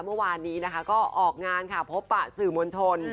เมื่อวานนี้นะคะก็ออกงานค่ะพบปะสื่อมวลชน